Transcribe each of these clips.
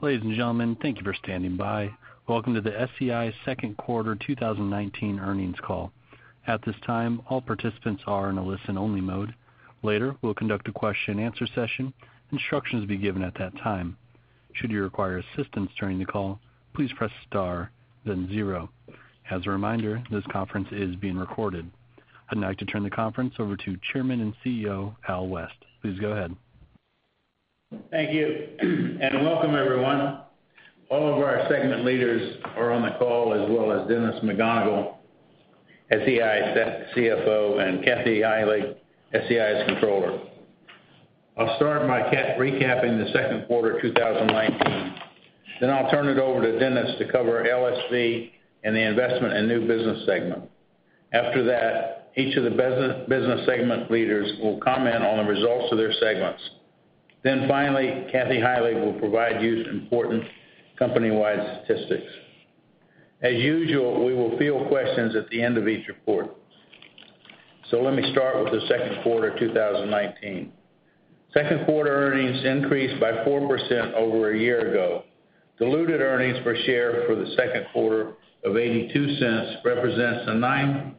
Ladies and gentlemen, thank you for standing by. Welcome to the SEI second quarter 2019 earnings call. At this time, all participants are in a listen-only mode. Later, we'll conduct a question and answer session. Instructions will be given at that time. Should you require assistance during the call, please press star then zero. As a reminder, this conference is being recorded. I'd like to turn the conference over to Chairman and CEO, Al West. Please go ahead. Thank you. Welcome everyone. All of our segment leaders are on the call as well as Dennis McGonigle, SEI CFO, and Kathy Heilig, SEI's Controller. I'll start by recapping the second quarter of 2019. I'll turn it over to Dennis to cover LSV and the investment in new business segment. After that, each of the business segment leaders will comment on the results of their segments. Finally, Kathy Heilig will provide you important company-wide statistics. As usual, we will field questions at the end of each report. Let me start with the second quarter 2019. Second quarter earnings increased by 4% over a year ago. Diluted earnings per share for the second quarter of $0.82 represents a 9%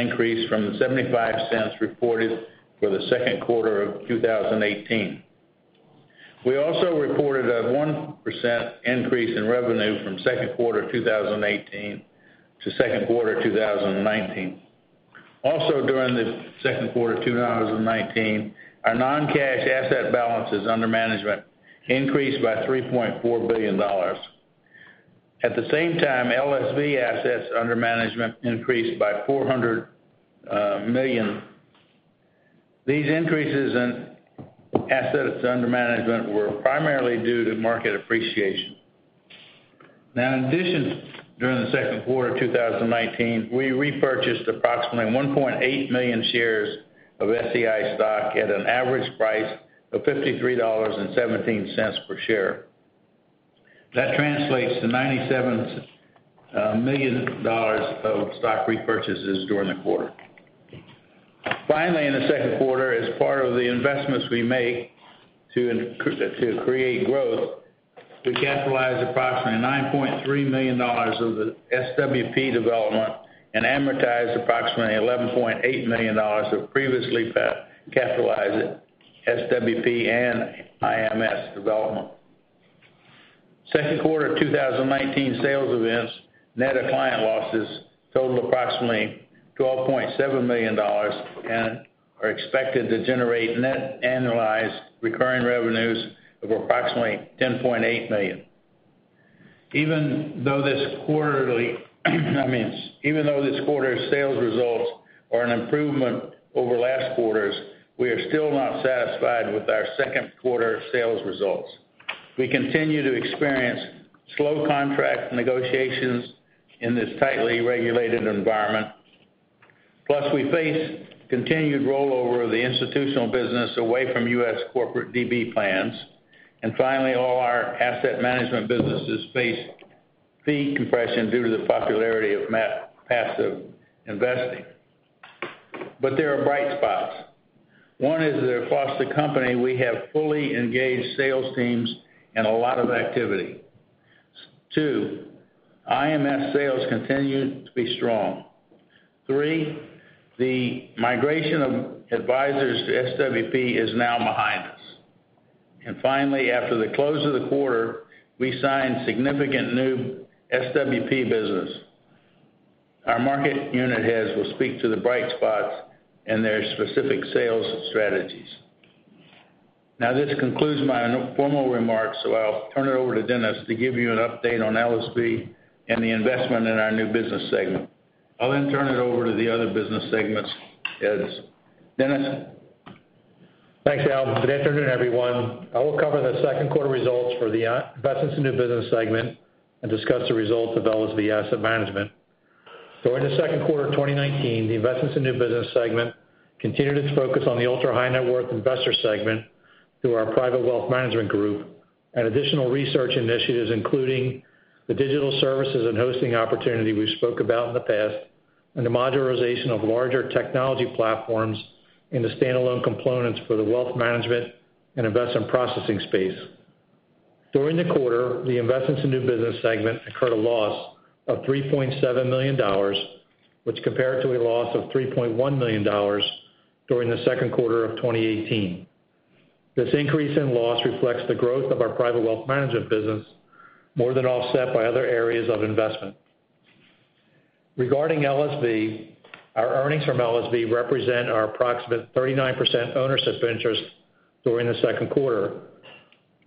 increase from the $0.75 reported for the second quarter of 2018. We also reported a 1% increase in revenue from second quarter 2018 to second quarter 2019. During the second quarter 2019, our non-cash asset balances under management increased by $3.4 billion. At the same time, LSV assets under management increased by $400 million. These increases in assets under management were primarily due to market appreciation. In addition, during the second quarter 2019, we repurchased approximately 1.8 million shares of SEI stock at an average price of $53.17 per share. That translates to $97 million of stock repurchases during the quarter. Finally, in the second quarter, as part of the investments we make to create growth, we capitalized approximately $9.3 million of the SWP development and amortized approximately $11.8 million of previously capitalized SWP and IMS development. Second quarter 2019 sales events, net of client losses, totaled approximately $12.7 million and are expected to generate net annualized recurring revenues of approximately $10.8 million. Even though this quarter's sales results are an improvement over last quarter's, we are still not satisfied with our second quarter sales results. We continue to experience slow contract negotiations in this tightly regulated environment. We face continued rollover of the institutional business away from U.S. corporate DB plans. Finally, all our asset management businesses face fee compression due to the popularity of passive investing. There are bright spots. One is that across the company, we have fully engaged sales teams and a lot of activity. Two, IMS sales continue to be strong. Three, the migration of advisors to SWP is now behind us. Finally, after the close of the quarter, we signed significant new SWP business. Our market unit heads will speak to the bright spots and their specific sales strategies. Now, this concludes my formal remarks. I'll turn it over to Dennis to give you an update on LSV and the investment in our new business segment. I'll then turn it over to the other business segments' heads. Dennis? Thanks, Al. Good afternoon, everyone. I will cover the second quarter results for the Investments in New Business segment and discuss the results of LSV Asset Management. During the second quarter of 2019, the Investments in New Business segment continued its focus on the ultra-high net worth investor segment through our private wealth management group and additional research initiatives, including the digital services and hosting opportunity we spoke about in the past, and the modularization of larger technology platforms into standalone components for the wealth management and investment processing space. During the quarter, the Investments in New Business segment incurred a loss of $3.7 million, which compared to a loss of $3.1 million during the second quarter of 2018. This increase in loss reflects the growth of our private wealth management business, more than offset by other areas of investment. Regarding LSV, our earnings from LSV represent our approximate 39% ownership interest during the second quarter.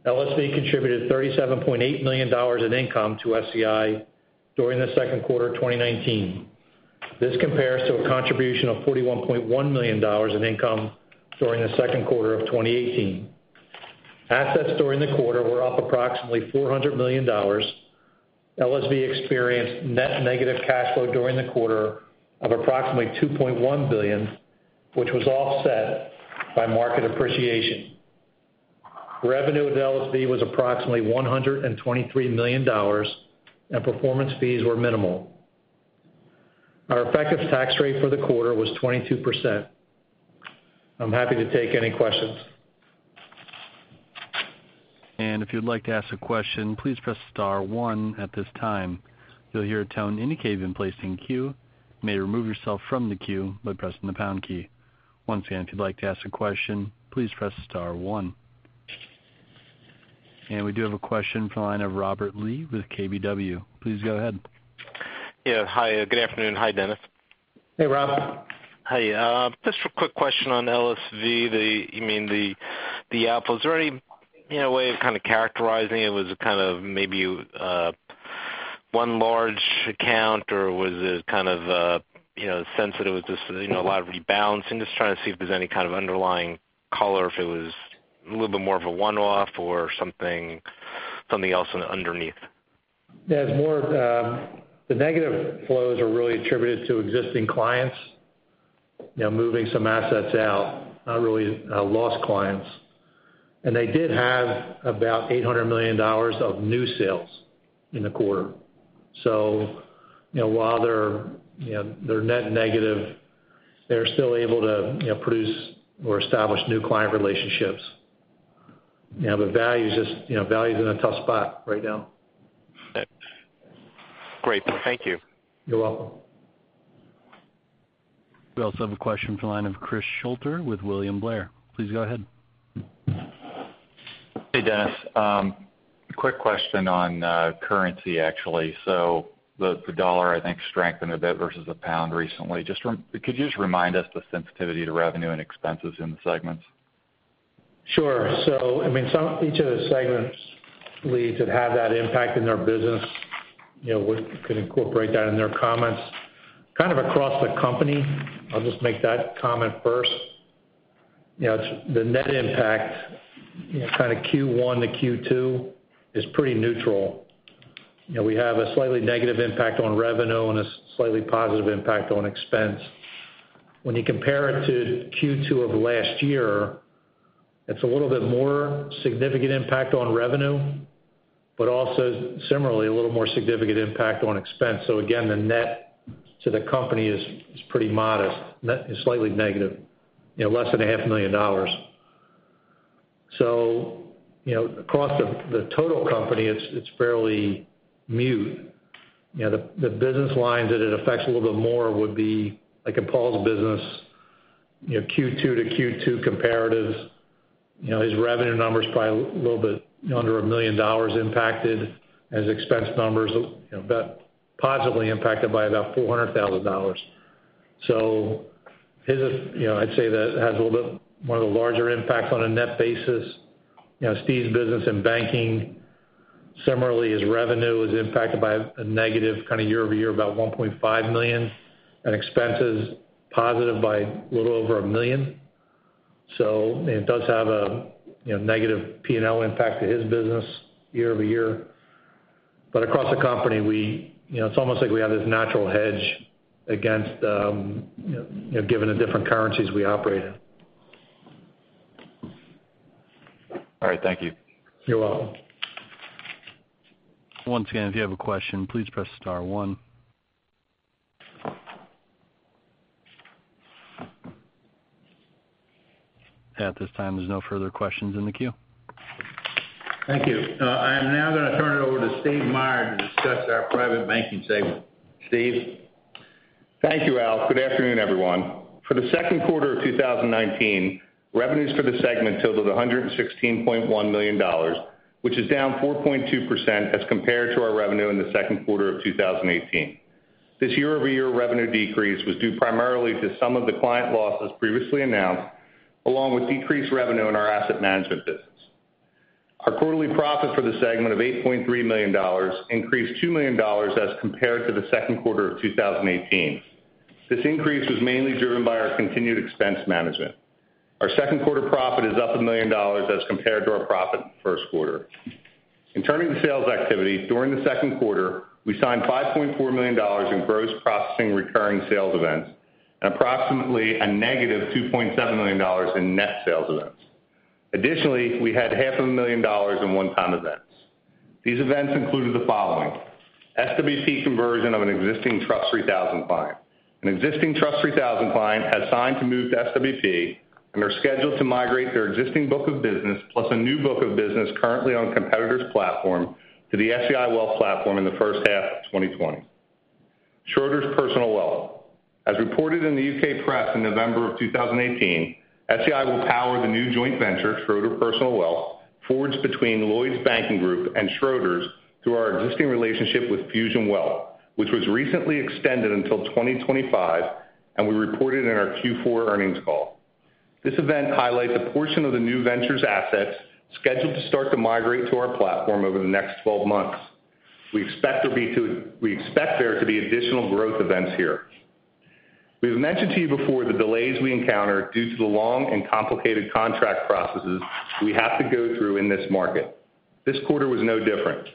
LSV contributed $37.8 million in income to SEI during the second quarter 2019. This compares to a contribution of $41.1 million in income during the second quarter of 2018. Assets during the quarter were up approximately $400 million. LSV experienced net negative cash flow during the quarter of approximately $2.1 billion, which was offset by market appreciation. Revenue at LSV was approximately $123 million, and performance fees were minimal. Our effective tax rate for the quarter was 22%. I'm happy to take any questions. If you'd like to ask a question, please press star one at this time. You'll hear a tone indicating you've been placed in queue. You may remove yourself from the queue by pressing the pound key. Once again, if you'd like to ask a question, please press star one. We do have a question from the line of Robert Lee with KBW. Please go ahead. Yeah. Hi, good afternoon. Hi, Dennis. Hey, Robert. Hey, just for a quick question on LSV, the outflows? Is there any way of kind of characterizing it? Was it kind of maybe one large account, or was it kind of sensitive with just a lot of rebalancing? Just trying to see if there's any kind of underlying color, if it was a little bit more of a one-off or something else underneath. Yeah, the negative flows are really attributed to existing clients now moving some assets out, not really lost clients. They did have about $800 million of new sales in the quarter. While they're net negative, they're still able to produce or establish new client relationships. Yeah, value's in a tough spot right now. Great. Thank you. You're welcome. We also have a question from the line of Chris Shutler with William Blair. Please go ahead. Hey, Dennis. Quick question on currency, actually. The dollar, I think, strengthened a bit versus the pound recently. Could you just remind us the sensitivity to revenue and expenses in the segments? Sure. Each of the segments leads that have that impact in their business would, could incorporate that in their comments. Kind of across the company, I'll just make that comment first. The net impact, kind of Q1 to Q2, is pretty neutral. We have a slightly negative impact on revenue and a slightly positive impact on expense. When you compare it to Q2 of last year, it's a little bit more significant impact on revenue, but also similarly, a little more significant impact on expense. Again, the net to the company is pretty modest. Slightly negative, less than a half a million dollars. Across the total company, it's fairly moot. The business lines that it affects a little bit more would be like in Paul's business, Q2 to Q2 comparatives. His revenue number's probably a little bit under $1 million impacted. His expense numbers, positively impacted by about $400,000. I'd say that has one of the larger impacts on a net basis. Steve's business in banking, similarly, his revenue was impacted by a negative year-over-year, about $1.5 million, and expenses positive by a little over $1 million. It does have a negative P&L impact to his business year-over-year. Across the company, it's almost like we have this natural hedge against, given the different currencies we operate in. All right. Thank you. You're welcome. Once again, if you have a question, please press star one. At this time, there's no further questions in the queue. Thank you. I am now going to turn it over to Steve Meyer to discuss our private banking segment. Steve? Thank you, Al. Good afternoon, everyone. For the second quarter of 2019, revenues for the segment totaled $116.1 million, which is down 4.2% as compared to our revenue in the second quarter of 2018. This year-over-year revenue decrease was due primarily to some of the client losses previously announced, along with decreased revenue in our asset management business. Our quarterly profit for the segment of $8.3 million increased $2 million as compared to the second quarter of 2018. This increase was mainly driven by our continued expense management. Our second quarter profit is up $1 million as compared to our profit in the first quarter. In turning to sales activity, during the second quarter, we signed $5.4 million in gross processing recurring sales events and approximately a negative $2.7 million in net sales events. Additionally, we had half a million dollars in one-time events. These events included the following: SWP conversion of an existing Trust 3000 client. An existing Trust 3000 client has signed to move to SWP and are scheduled to migrate their existing book of business, plus a new book of business currently on competitor's platform to the SEI Wealth Platform in the first half of 2020. Schroders Personal Wealth. As reported in the U.K. press in November of 2018, SEI will power the new joint venture, Schroders Personal Wealth, forged between Lloyds Banking Group and Schroders through our existing relationship with Fusion Wealth, which was recently extended until 2025, and we reported in our Q4 earnings call. This event highlights a portion of the new venture's assets scheduled to start to migrate to our platform over the next 12 months. We expect there to be additional growth events here. We've mentioned to you before the delays we encounter due to the long and complicated contract processes we have to go through in this market. This quarter was no different.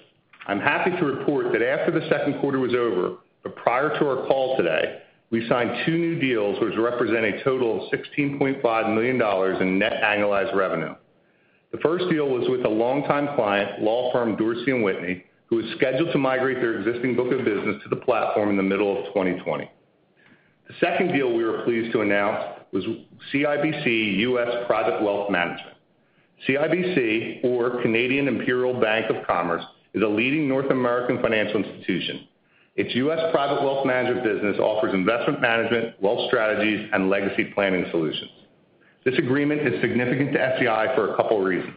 I'm happy to report that after the second quarter was over, but prior to our call today, we signed two new deals which represent a total of $16.5 million in net annualized revenue. The first deal was with a longtime client, law firm Dorsey & Whitney, who is scheduled to migrate their existing book of business to the platform in the middle of 2020. The second deal we were pleased to announce was CIBC U.S. Private Wealth Management. CIBC, or Canadian Imperial Bank of Commerce, is a leading North American financial institution. Its U.S. private wealth management business offers investment management, wealth strategies, and legacy planning solutions. This agreement is significant to SEI for a couple of reasons.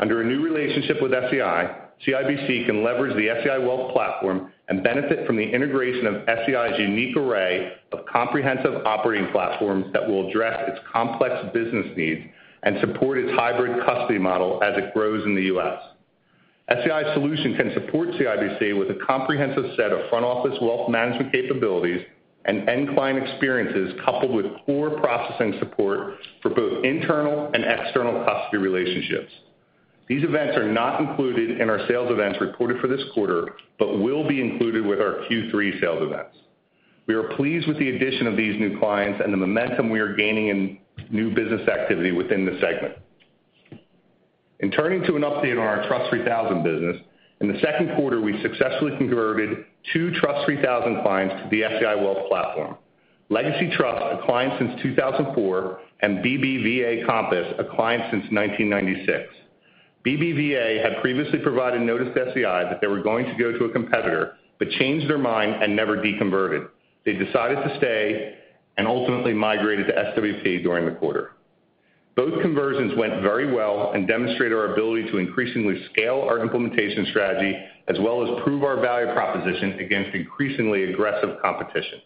Under a new relationship with SEI, CIBC can leverage the SEI Wealth Platform and benefit from the integration of SEI's unique array of comprehensive operating platforms that will address its complex business needs and support its hybrid custody model as it grows in the U.S. SEI's solution can support CIBC with a comprehensive set of front-office wealth management capabilities and end-client experiences, coupled with core processing support for both internal and external custody relationships. These events are not included in our sales events reported for this quarter but will be included with our Q3 sales events. We are pleased with the addition of these new clients and the momentum we are gaining in new business activity within the segment. In turning to an update on our Trust 3000 business, in the second quarter, we successfully converted two Trust 3000 clients to the SEI Wealth Platform. Legacy Trust, a client since 2004, and BBVA Compass, a client since 1996. BBVA had previously provided notice to SEI that they were going to go to a competitor but changed their mind and never deconverted. They decided to stay and ultimately migrated to SWP during the quarter. Both conversions went very well and demonstrate our ability to increasingly scale our implementation strategy, as well as prove our value proposition against increasingly aggressive competition.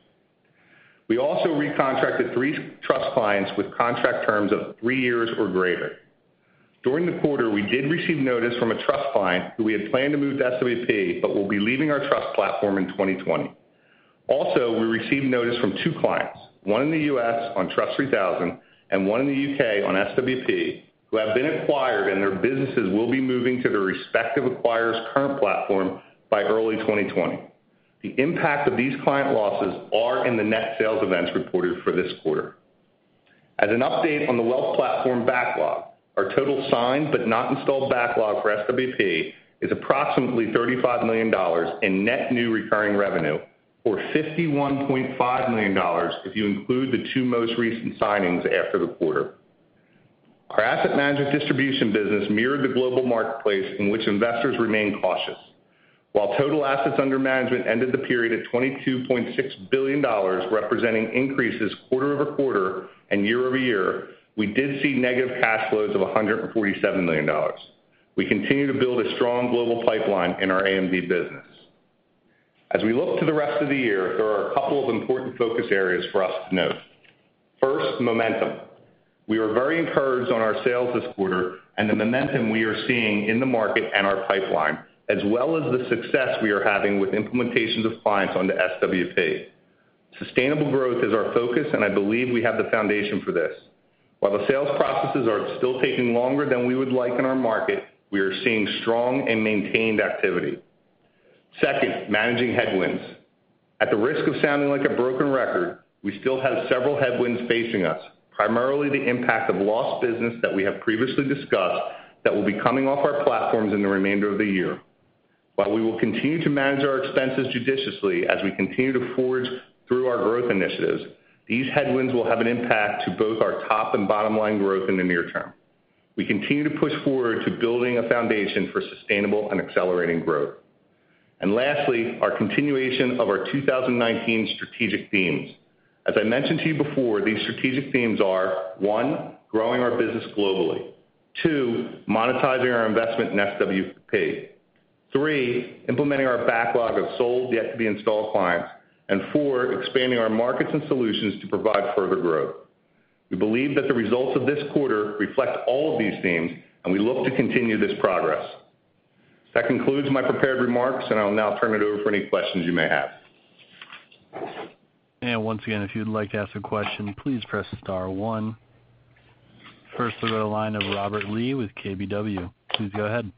We also recontracted three trust clients with contract terms of three years or greater. During the quarter, we did receive notice from a trust client who we had planned to move to SWP but will be leaving our trust platform in 2020. We received notice from 2 clients, one in the U.S. on Trust 3000 and one in the U.K. on SWP, who have been acquired, and their businesses will be moving to their respective acquirers' current platform by early 2020. The impact of these client losses are in the net sales events reported for this quarter. As an update on the wealth platform backlog, our total signed but not installed backlog for SWP is approximately $35 million in net new recurring revenue, or $51.5 million if you include the 2 most recent signings after the quarter. Our asset management distribution business mirrored the global marketplace in which investors remain cautious. While total assets under management ended the period at $22.6 billion, representing increases quarter-over-quarter and year-over-year, we did see negative cash flows of $147 million. We continue to build a strong global pipeline in our AMD business. As we look to the rest of the year, there are a couple of important focus areas for us to note. First, momentum. We are very encouraged on our sales this quarter and the momentum we are seeing in the market and our pipeline, as well as the success we are having with implementations of clients onto SWP. Sustainable growth is our focus, and I believe we have the foundation for this. While the sales processes are still taking longer than we would like in our market, we are seeing strong and maintained activity. Second, managing headwinds. At the risk of sounding like a broken record, we still have several headwinds facing us, primarily the impact of lost business that we have previously discussed that will be coming off our platforms in the remainder of the year. While we will continue to manage our expenses judiciously as we continue to forge through our growth initiatives, these headwinds will have an impact on both our top and bottom-line growth in the near term. We continue to push forward to building a foundation for sustainable and accelerating growth. Lastly, our continuation of our 2019 strategic themes. As I mentioned to you before, these strategic themes are, one, growing our business globally. Two, monetizing our investment in SWP. Three, implementing our backlog of sold, yet-to-be-installed clients. Four, expanding our markets and solutions to provide further growth. We believe that the results of this quarter reflect all of these themes, and we look to continue this progress. That concludes my prepared remarks, and I will now turn it over for any questions you may have. Once again, if you'd like to ask a question, please press star one. First we go line of Robert Lee with KBW. Please go ahead.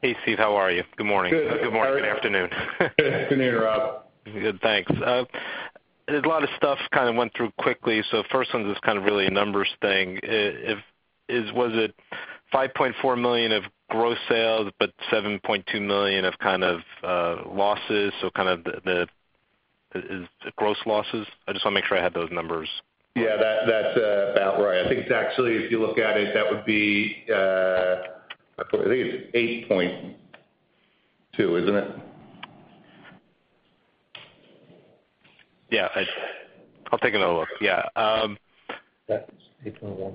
Hey, Steve, how are you? Good morning. Good. Good morning. Good afternoon. Good afternoon, Rob. Good, thanks. A lot of stuff kind of went through quickly. First one's just kind of really a numbers thing. Was it $5.4 million of gross sales, but $7.2 million of losses? Kind of the, is it gross losses? I just want to make sure I have those numbers. Yeah, that's about right. I think it's actually, if you look at it, that would be, I think it's 8.2, isn't it? Yeah. I'll take another look. Yeah. That's 8.1.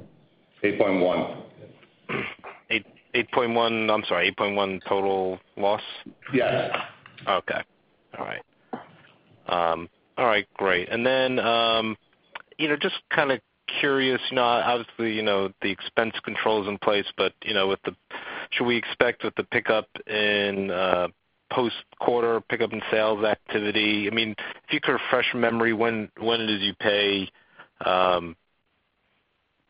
8.1. 8.1. I'm sorry, 8.1 total loss? Yes. Okay. All right. All right, great. Just kind of curious, obviously, the expense control is in place, but should we expect that the pickup in post-quarter pickup in sales activity If you could refresh memory, when it is you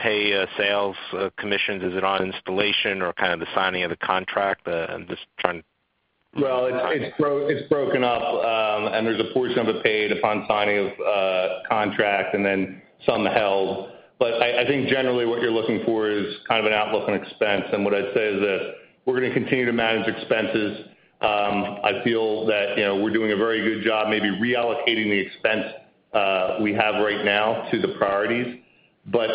pay sales commissions? Is it on installation or kind of the signing of the contract? I'm just trying to Well, it's broken up, and there's a portion of it paid upon signing of contract and then some held. I think generally what you're looking for is kind of an outlook on expense. What I'd say is that we're going to continue to manage expenses. I feel that we're doing a very good job, maybe reallocating the expense we have right now to the priorities.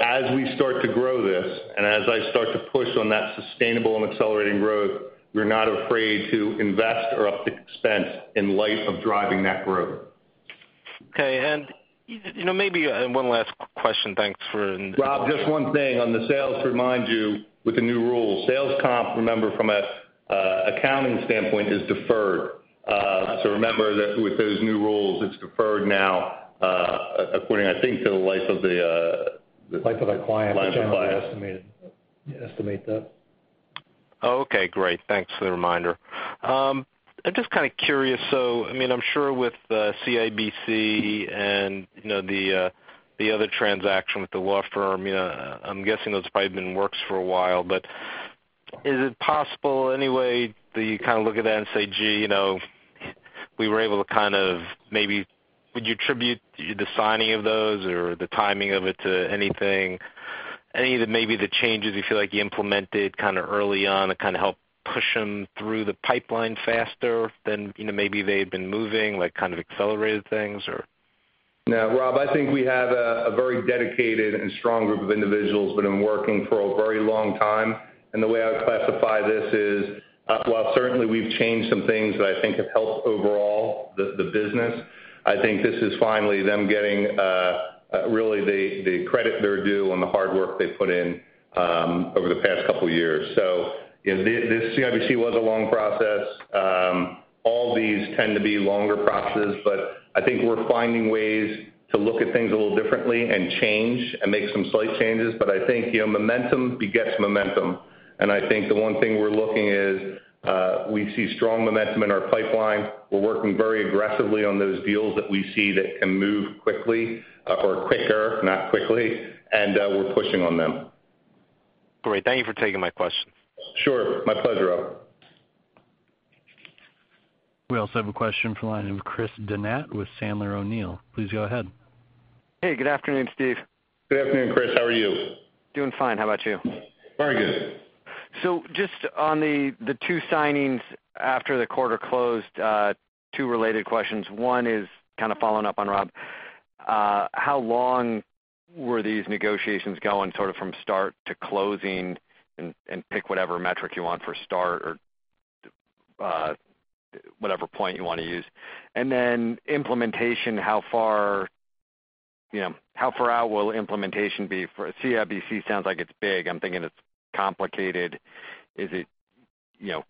As we start to grow this, and as I start to push on that sustainable and accelerating growth, we're not afraid to invest or up the expense in light of driving that growth. Okay. Maybe one last question. Rob, just one thing on the sales to remind you with the new rule. Sales comp, remember, from an accounting standpoint, is deferred. Remember that with those new rules, it's deferred now. Life of the client. life of the client. Generally estimated. Estimate that. Oh, okay, great. Thanks for the reminder. I'm just kind of curious, so I'm sure with CIBC and the other transaction with the law firm, I'm guessing that's probably been in the works for a while, but is it possible any way that you kind of look at that and say, "Gee, we were able to kind of maybe" Would you attribute the signing of those or the timing of it to anything, any of maybe the changes you feel like you implemented early on that helped push them through the pipeline faster than maybe they had been moving, like kind of accelerated things or? Rob, I think we have a very dedicated and strong group of individuals that have been working for a very long time, and the way I would classify this is, while certainly we've changed some things that I think have helped overall the business, I think this is finally them getting really the credit they're due on the hard work they've put in over the past couple of years. This CIBC was a long process. All these tend to be longer processes, but I think we're finding ways to look at things a little differently and change and make some slight changes. I think momentum begets momentum, and I think the one thing we're looking is we see strong momentum in our pipeline. We're working very aggressively on those deals that we see that can move quickly, or quicker, not quickly, and we're pushing on them. Great. Thank you for taking my question. Sure. My pleasure, Rob. We also have a question from the line of Chris Donat with Sandler O'Neill. Please go ahead. Hey, good afternoon, Steve. Good afternoon, Chris. How are you? Doing fine. How about you? Very good. Just on the two signings after the quarter closed, two related questions. One is kind of following up on Rob. How long were these negotiations going, sort of from start to closing, and pick whatever metric you want for start or whatever point you want to use. And then implementation, how far out will implementation be for CIBC sounds like it's big. I'm thinking it's complicated. Is it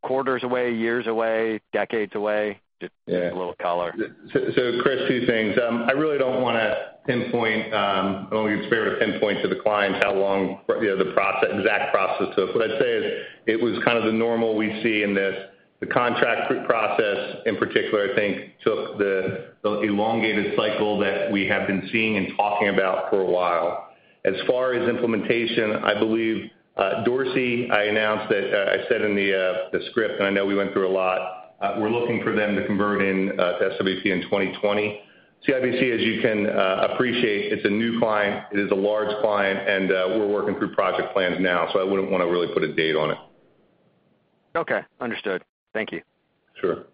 quarters away, years away, decades away? Yeah a little color. Chris, two things. I really don't want to pinpoint, I don't want to get unfair to pinpoint to the clients how long the exact process took. What I'd say is it was kind of the normal we see in this. The contract process, in particular, I think, took the elongated cycle that we have been seeing and talking about for a while. As far as implementation, I believe Dorsey, I announced that, I said in the script, and I know we went through a lot, we're looking for them to convert in to SWP in 2020. CIBC, as you can appreciate, it's a new client, it is a large client, and we're working through project plans now, so I wouldn't want to really put a date on it. Okay, understood. Thank you. Sure.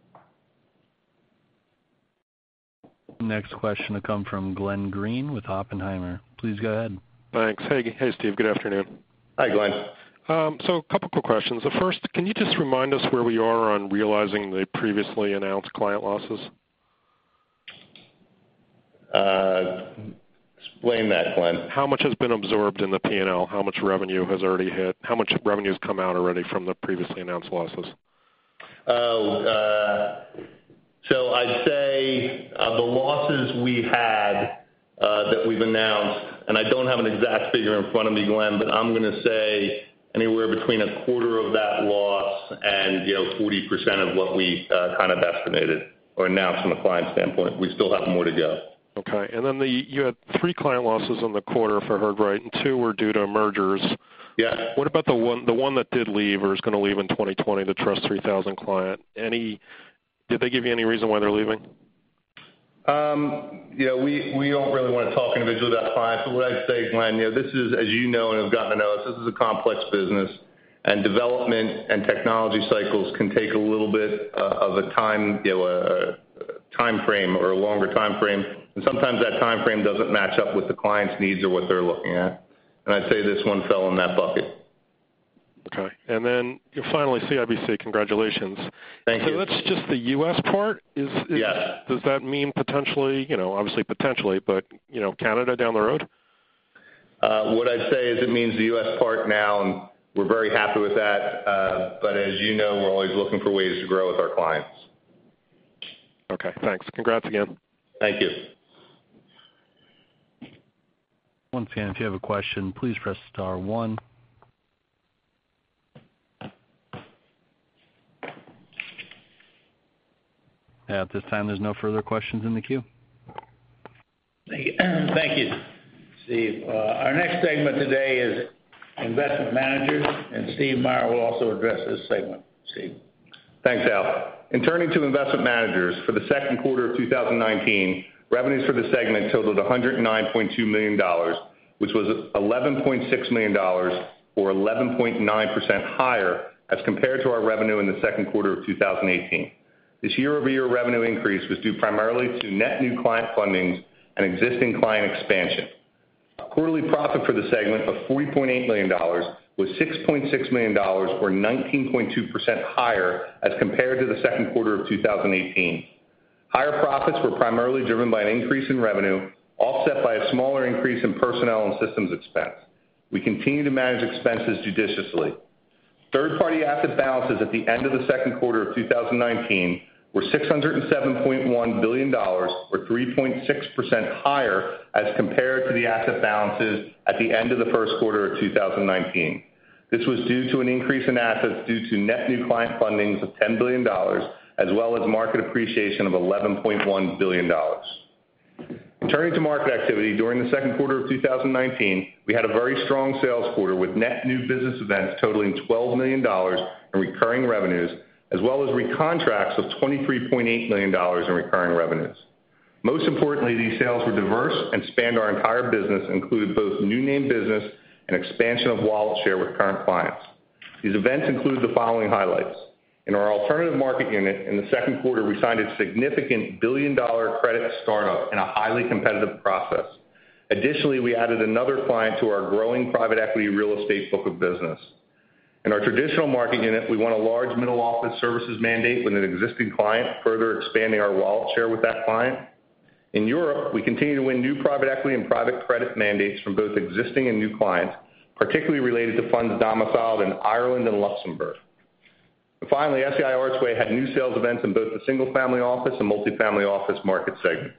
Next question will come from Glenn Greene with Oppenheimer. Please go ahead. Thanks. Hey, Steve. Good afternoon. Hi, Glenn. A couple quick questions. First, can you just remind us where we are on realizing the previously announced client losses? Explain that, Glenn. How much has been absorbed in the P&L? How much revenue has already hit? How much revenue has come out already from the previously announced losses? I'd say of the losses we had that we've announced, and I don't have an exact figure in front of me, Glenn, but I'm going to say anywhere between a quarter of that loss and 40% of what we kind of estimated or announced from a client standpoint. We still have more to go. Okay. You had three client losses on the quarter, if I heard right, and two were due to mergers. Yeah. What about the one that did leave or is going to leave in 2020, the Trust 3000 client? Did they give you any reason why they're leaving? We don't really want to talk individually about clients. What I'd say, Glenn, this is, as you know and have gotten to know us, this is a complex business, and development and technology cycles can take a little bit of a longer timeframe. Sometimes that timeframe doesn't match up with the client's needs or what they're looking at. I'd say this one fell in that bucket. Okay. finally, CIBC, congratulations. Thank you. That's just the U.S. part? Yeah. Does that mean potentially, obviously potentially, but Canada down the road? What I'd say is it means the U.S. part now, and we're very happy with that. As you know, we're always looking for ways to grow with our clients. Okay, thanks. Congrats again. Thank you. Once again, if you have a question, please press star one. At this time, there's no further questions in the queue. Thank you, Steve. Our next segment today is investment managers. Steve Meyer will also address this segment. Steve? Thanks, Al. Turning to investment managers, for the second quarter of 2019, revenues for the segment totaled $109.2 million, which was $11.6 million, or 11.9% higher as compared to our revenue in the second quarter of 2018. This year-over-year revenue increase was due primarily to net new client fundings and existing client expansion. Quarterly profit for the segment of $40.8 million was $6.6 million, or 19.2% higher as compared to the second quarter of 2018. Higher profits were primarily driven by an increase in revenue, offset by a smaller increase in personnel and systems expense. We continue to manage expenses judiciously. Third-party asset balances at the end of the second quarter of 2019 were $607.1 billion, or 3.6% higher as compared to the asset balances at the end of the first quarter of 2019. This was due to an increase in assets due to net new client fundings of $10 billion, as well as market appreciation of $11.1 billion. In turning to market activity, during the second quarter of 2019, we had a very strong sales quarter with net new business events totaling $12 million in recurring revenues, as well as recontracts of $23.8 million in recurring revenues. Most importantly, these sales were diverse and spanned our entire business and included both new name business and expansion of wallet share with current clients. These events include the following highlights. In our alternative market unit, in the second quarter, we signed a significant billion-dollar credit startup in a highly competitive process. Additionally, we added another client to our growing private equity real estate book of business. In our traditional market unit, we won a large middle-office services mandate with an existing client, further expanding our wallet share with that client. In Europe, we continue to win new private equity and private credit mandates from both existing and new clients, particularly related to funds domiciled in Ireland and Luxembourg. Finally, SEI Archway had new sales events in both the single-family office and multi-family office market segments.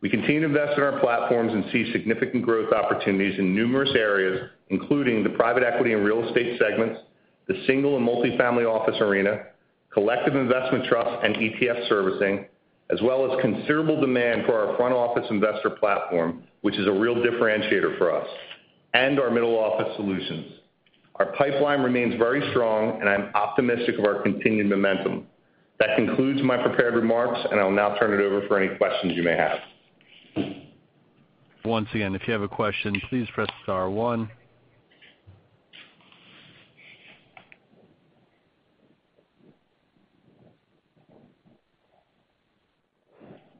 We continue to invest in our platforms and see significant growth opportunities in numerous areas, including the private equity and real estate segments, the single and multi-family office arena, collective investment trust and ETF servicing, as well as considerable demand for our front-office investor platform, which is a real differentiator for us, and our middle-office solutions. Our pipeline remains very strong, and I'm optimistic of our continued momentum. That concludes my prepared remarks, and I'll now turn it over for any questions you may have. Once again, if you have a question, please press star one.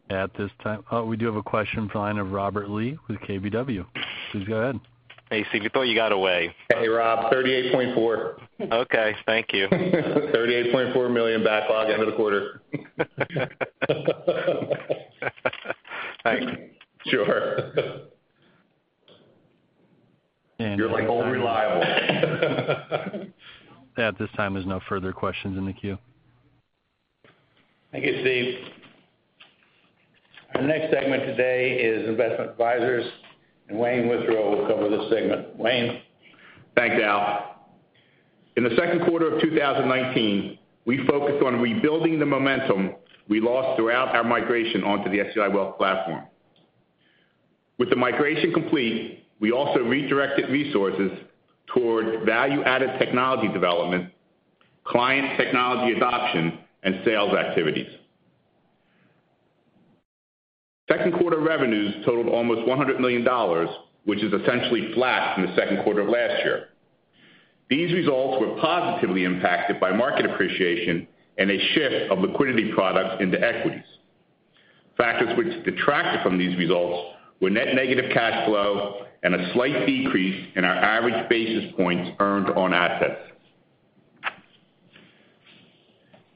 At this time, we do have a question from the line of Robert Lee with KBW. Please go ahead. Hey, Steve. I thought you got away. Hey, Rob, $38.4. Okay, thank you. $38.4 million backlog end of the quarter. Thanks. Sure. You're like old reliable. At this time, there's no further questions in the queue. Thank you, Steve. Our next segment today is investment advisors. Wayne Withrow will cover this segment. Wayne? Thanks, Al. In the second quarter of 2019, we focused on rebuilding the momentum we lost throughout our migration onto the SEI Wealth Platform. With the migration complete, we also redirected resources toward value-added technology development, client technology adoption, and sales activities. Second quarter revenues totaled almost $100 million, which is essentially flat from the second quarter of last year. These results were positively impacted by market appreciation and a shift of liquidity products into equities. Factors which detracted from these results were net negative cash flow and a slight decrease in our average basis points earned on assets.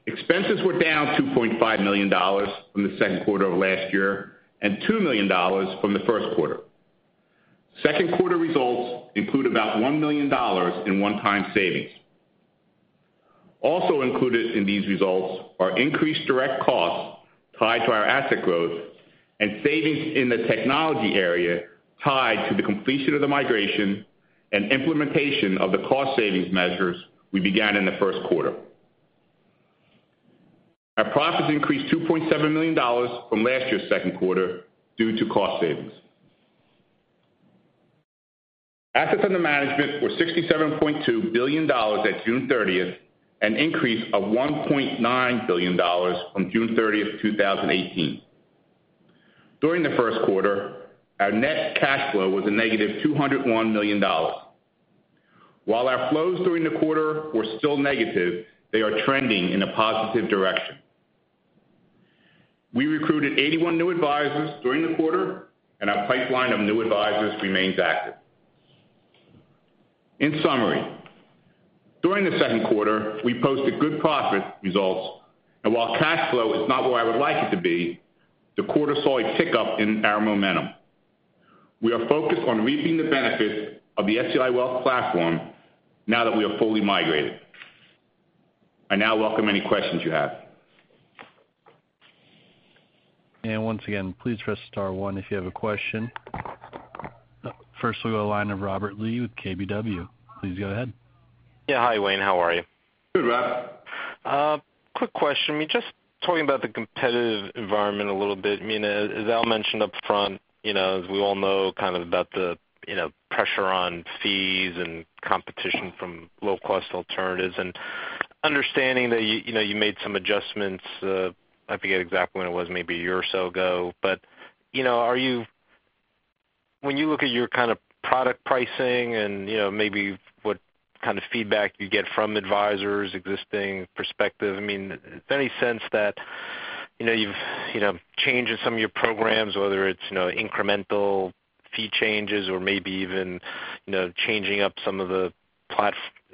Expenses were down $2.5 million from the second quarter of last year, and $2 million from the first quarter. Second quarter results include about $1 million in one-time savings. Included in these results are increased direct costs tied to our asset growth and savings in the technology area tied to the completion of the migration and implementation of the cost savings measures we began in the first quarter. Our profits increased $2.7 million from last year's second quarter due to cost savings. Assets under management were $67.2 billion at June 30th, an increase of $1.9 billion from June 30th, 2018. During the first quarter, our net cash flow was a negative $201 million. While our flows during the quarter were still negative, they are trending in a positive direction. We recruited 81 new advisors during the quarter, and our pipeline of new advisors remains active. In summary, during the second quarter, we posted good profit results, and while cash flow is not where I would like it to be, the quarter saw a tick-up in our momentum. We are focused on reaping the benefits of the SEI Wealth Platform now that we are fully migrated. I now welcome any questions you have. Once again, please press star 1 if you have a question. We'll go to the line of Robert Lee with KBW. Please go ahead. Yeah. Hi, Wayne. How are you? Good, Rob. Quick question. Talking about the competitive environment a little bit. I mean, as Al mentioned up front, as we all know about the pressure on fees and competition from low-cost alternatives, understanding that you made some adjustments, I forget exactly when it was, maybe a year or so ago, but when you look at your product pricing and maybe what kind of feedback you get from advisors, existing, prospective, I mean, any sense that you've changed some of your programs, whether it's incremental fee changes or maybe even changing up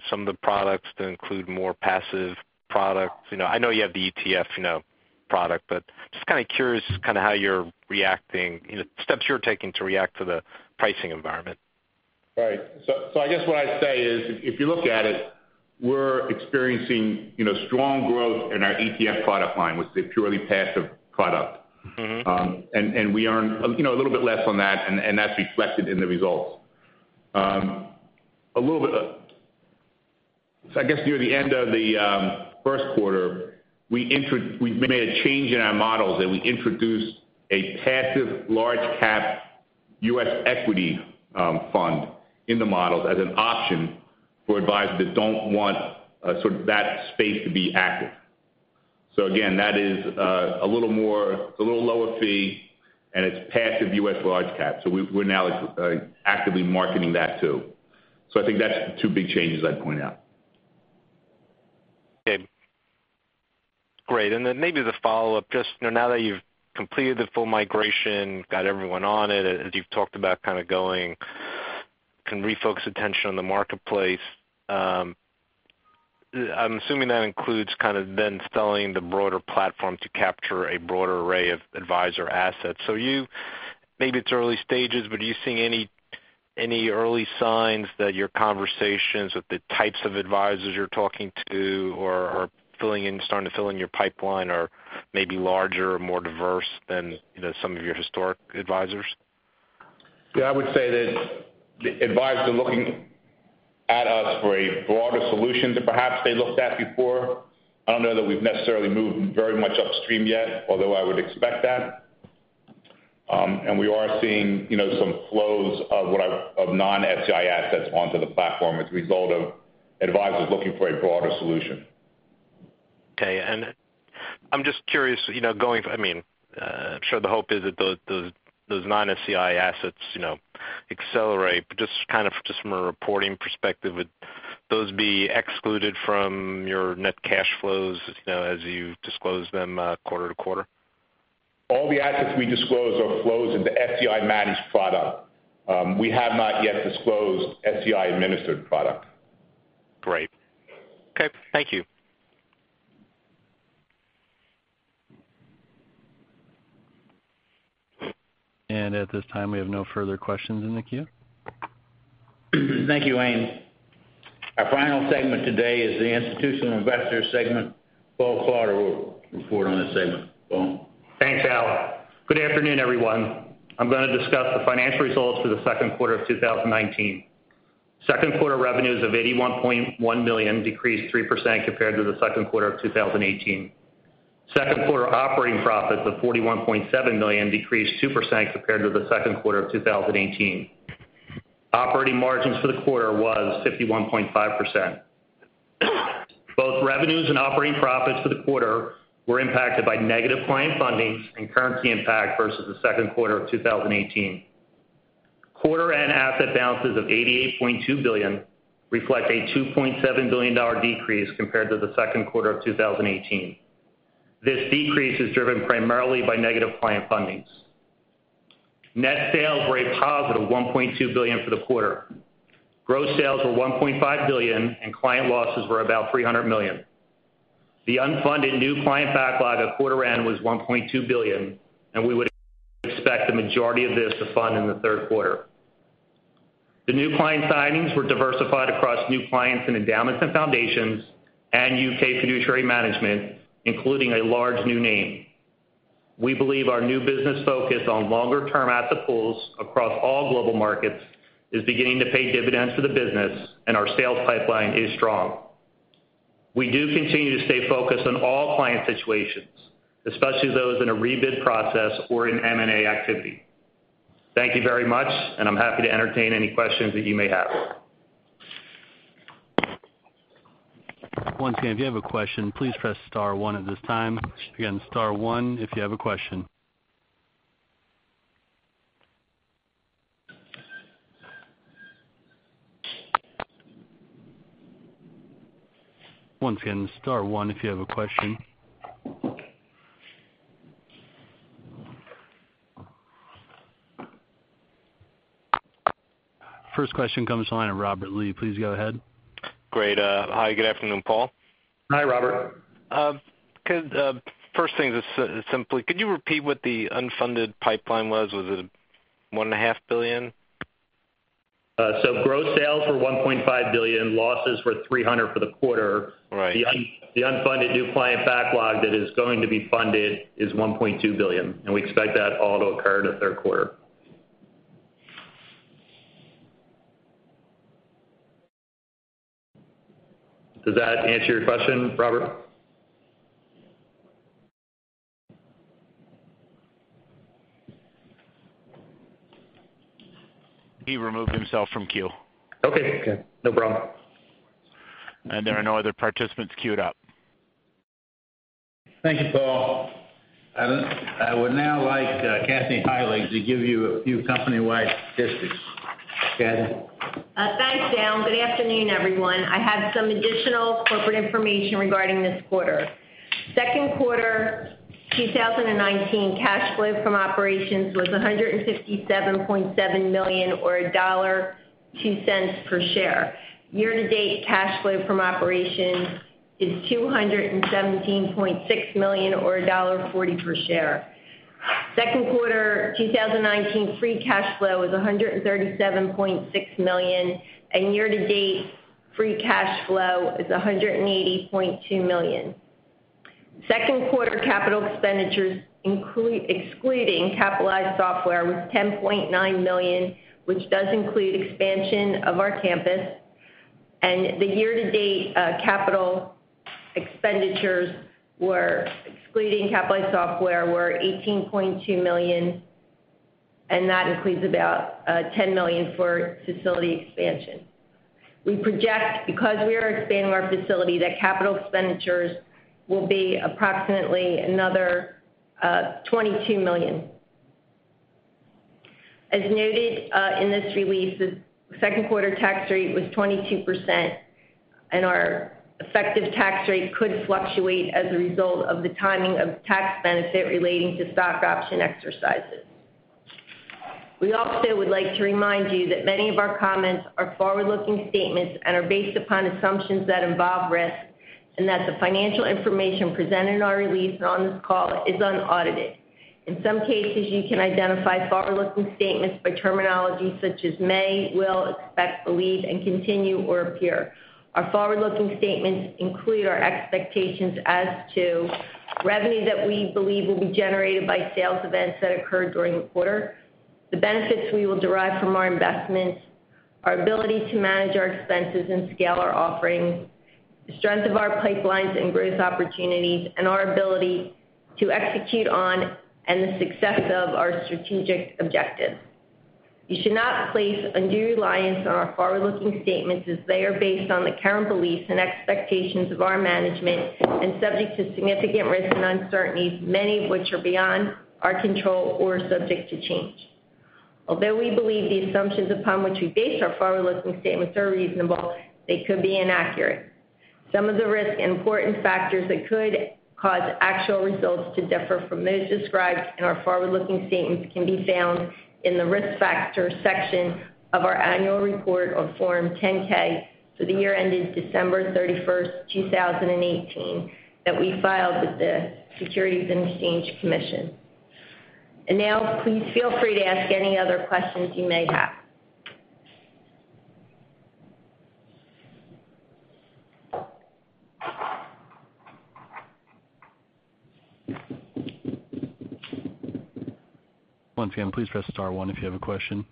some of the products to include more passive products? I know you have the ETF product, but just curious how you're reacting, steps you're taking to react to the pricing environment. Right. I guess what I'd say is, if you look at it, we're experiencing strong growth in our ETF product line, which is a purely passive product. We earn a little bit less on that, and that's reflected in the results. I guess near the end of the first quarter, we made a change in our models, and we introduced a passive large cap U.S. equity fund in the models as an option for advisors that don't want that space to be active. Again, that is a little lower fee, and it's passive U.S. large cap. We're now actively marketing that, too. I think that's the two big changes I'd point out. Okay, great. Maybe the follow-up, just now that you've completed the full migration, got everyone on it, as you've talked about going, you can refocus attention on the marketplace. I'm assuming that includes then selling the broader platform to capture a broader array of advisor assets. Maybe it's early stages, but are you seeing any early signs that your conversations with the types of advisors you're talking to or are starting to fill in your pipeline are maybe larger or more diverse than some of your historic advisors? Yeah, I would say that the advisors are looking at us for a broader solution than perhaps they looked at before. I don't know that we've necessarily moved very much upstream yet, although I would expect that. We are seeing some flows of non-FCI assets onto the platform as a result of advisors looking for a broader solution. Okay. I'm just curious, I'm sure the hope is that those non-FCI assets accelerate, but just from a reporting perspective, would those be excluded from your net cash flows as you disclose them quarter-to-quarter? All the assets we disclose are flows into FCI managed product. We have not yet disclosed FCI administered product. Great. Okay. Thank you. At this time, we have no further questions in the queue. Thank you, Wayne. Our final segment today is the institutional investor segment. Paul Klauder will report on this segment. Paul? Thanks, Al. Good afternoon, everyone. I'm going to discuss the financial results for the second quarter of 2019. Second quarter revenues of $81.1 million decreased 3% compared to the second quarter of 2018. Second quarter operating profits of $41.7 million decreased 2% compared to the second quarter of 2018. Operating margins for the quarter was 51.5%. Both revenues and operating profits for the quarter were impacted by negative client fundings and currency impact versus the second quarter of 2018. Quarter end asset balances of $88.2 billion reflect a $2.7 billion decrease compared to the second quarter of 2018. This decrease is driven primarily by negative client fundings. Net sales were a positive $1.2 billion for the quarter. Gross sales were $1.5 billion, and client losses were about $300 million. The unfunded new client backlog at quarter end was $1.2 billion, and we would expect the majority of this to fund in the third quarter. The new client signings were diversified across new clients and endowments and foundations and U.K. fiduciary management, including a large new name. We believe our new business focus on longer-term asset pools across all global markets is beginning to pay dividends to the business, and our sales pipeline is strong. We do continue to stay focused on all client situations, especially those in a rebid process or in M&A activity. Thank you very much, and I'm happy to entertain any questions that you may have. Once again, if you have a question, please press star one at this time. Again, star one if you have a question. Once again, star one if you have a question. First question comes to the line of Robert Lee. Please go ahead. Great. Hi, good afternoon, Paul. Hi, Robert. First thing, just simply, could you repeat what the unfunded pipeline was? Was it one and a half billion? Gross sales were $1.5 billion. Losses were $300 for the quarter. Right. The unfunded new client backlog that is going to be funded is $1.2 billion. We expect that all to occur in the third quarter. Does that answer your question, Robert? He removed himself from queue. Okay. No problem. There are no other participants queued up. Thank you, Paul. I would now like Kathy Heilig to give you a few company-wide statistics. Kathy? Thanks, Al. Good afternoon, everyone. I have some additional corporate information regarding this quarter. Second quarter 2019 cash flow from operations was $157.7 million, or $1.02 per share. Year-to-date cash flow from operations is $217.6 million, or $1.40 per share. Second quarter 2019 free cash flow is $137.6 million, and year-to-date free cash flow is $180.2 million. Second quarter capital expenditures, excluding capitalized software, was $10.9 million, which does include expansion of our campus. The year-to-date capital expenditures, excluding capitalized software, were $18.2 million, and that includes about $10 million for facility expansion. We project, because we are expanding our facility, that capital expenditures will be approximately another $22 million. As noted in this release, the second quarter tax rate was 22%, and our effective tax rate could fluctuate as a result of the timing of tax benefit relating to stock option exercises. We also would like to remind you that many of our comments are forward-looking statements and are based upon assumptions that involve risk, and that the financial information presented in our release and on this call is unaudited. In some cases, you can identify forward-looking statements by terminology such as may, will, expect, believe, and continue or appear. Our forward-looking statements include our expectations as to revenue that we believe will be generated by sales events that occurred during the quarter, the benefits we will derive from our investments, our ability to manage our expenses and scale our offerings, the strength of our pipelines and growth opportunities, and our ability to execute on, and the success of our strategic objectives. You should not place undue reliance on our forward-looking statements as they are based on the current beliefs and expectations of our management and subject to significant risks and uncertainties, many of which are beyond our control or subject to change. Although we believe the assumptions upon which we base our forward-looking statements are reasonable, they could be inaccurate. Some of the risks and important factors that could cause actual results to differ from those described in our forward-looking statements can be found in the Risk Factors section of our annual report on Form 10-K for the year ending December 31st, 2018, that we filed with the Securities and Exchange Commission. Now, please feel free to ask any other questions you may have. Once again, please press star one if you have a question.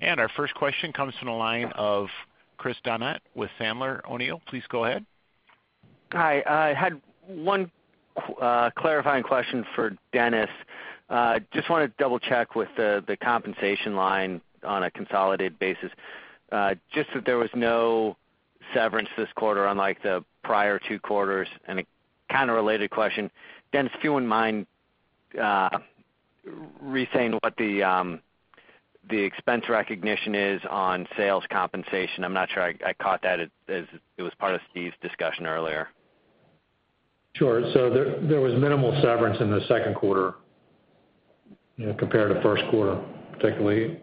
Our first question comes from the line of Chris Donat with Sandler O'Neill. Please go ahead. Hi. I had one clarifying question for Dennis. Just want to double-check with the compensation line on a consolidated basis. Just that there was no severance this quarter, unlike the prior two quarters. A kind of related question, Dennis, if you wouldn't mind re-saying what the expense recognition is on sales compensation. I'm not sure I caught that as it was part of Steve's discussion earlier. Sure. There was minimal severance in the second quarter compared to first quarter, particularly.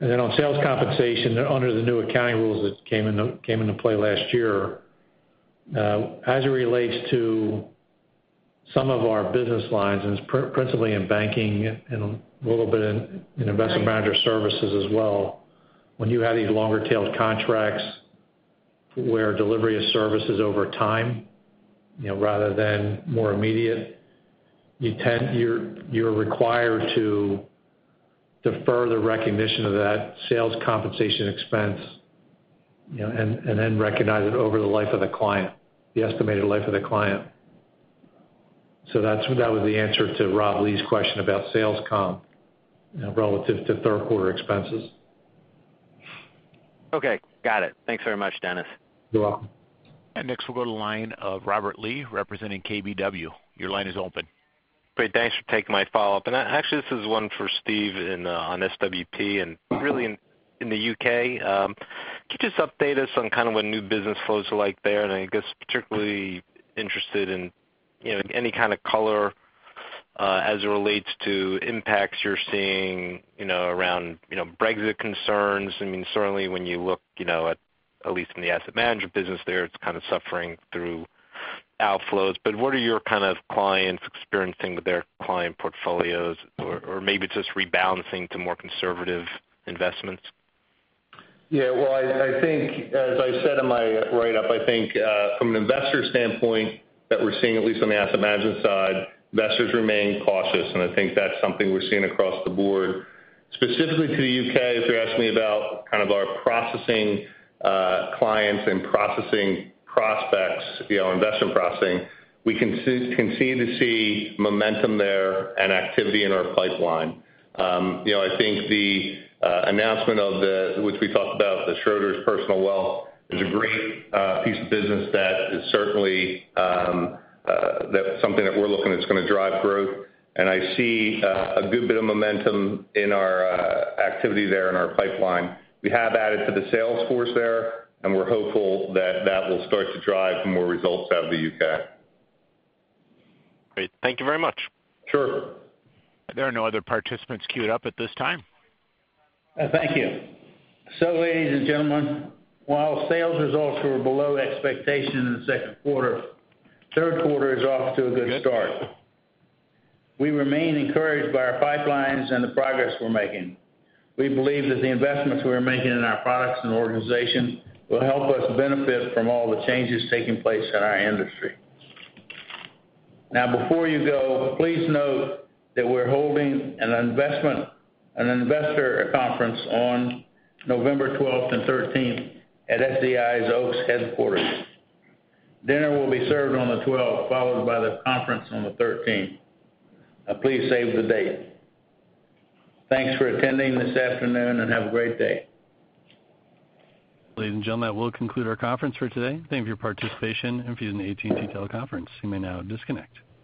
Then on sales compensation, under the new accounting rules that came into play last year, as it relates to some of our business lines. It's principally in banking and a little bit in investment manager services as well. When you have these longer-tailed contracts where delivery of service is over time rather than more immediate, you're required to defer the recognition of that sales compensation expense, and then recognize it over the life of the client, the estimated life of the client. That was the answer to Rob Lee's question about sales comp relative to third quarter expenses. Okay. Got it. Thanks very much, Dennis. You're welcome. Next, we'll go to the line of Robert Lee, representing KBW. Your line is open. Great. Thanks for taking my follow-up. Actually, this is one for Steve on SWP and really in the U.K. Can you just update us on kind of what new business flows are like there? I guess particularly interested in any kind of color as it relates to impacts you're seeing around Brexit concerns. I mean, certainly when you look at least in the asset management business there, it's kind of suffering through outflows, but what are your kind of clients experiencing with their client portfolios? Or maybe just rebalancing to more conservative investments? I think as I said in my write-up, I think from an investor standpoint that we're seeing, at least on the asset management side, investors remain cautious, and I think that's something we're seeing across the board. Specifically to the U.K., if you're asking me about kind of our processing clients and processing prospects, investment processing, we continue to see momentum there and activity in our pipeline. I think the announcement of the, which we talked about, the Schroders Personal Wealth is a great piece of business that is certainly something that we're looking that's going to drive growth, and I see a good bit of momentum in our activity there in our pipeline. We have added to the sales force there, and we're hopeful that that will start to drive more results out of the U.K. Great. Thank you very much. Sure. There are no other participants queued up at this time. Thank you. Ladies and gentlemen, while sales results were below expectation in the second quarter, third quarter is off to a good start. We remain encouraged by our pipelines and the progress we're making. We believe that the investments we are making in our products and organization will help us benefit from all the changes taking place in our industry. Before you go, please note that we're holding an investor conference on November 12th and 13th at SEI's Oaks headquarters. Dinner will be served on the 12th, followed by the conference on the 13th. Please save the date. Thanks for attending this afternoon, and have a great day. Ladies and gentlemen, that will conclude our conference for today. Thank you for your participation. If you're using AT&T teleconference, you may now disconnect.